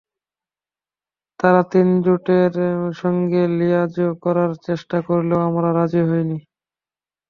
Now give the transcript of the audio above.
তারা তিন জোটের সঙ্গে লিয়াজোঁ করার চেষ্টা করলেও আমরা রাজি হইনি।